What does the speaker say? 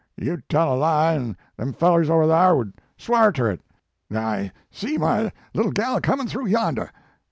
You d tell a lie, an them fellers over thar would sw ar ter it. I see my little gal comin through yander.